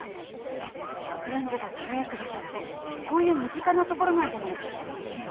フレンズが輝く場所ってこういう身近なところなんじゃないでしょうか。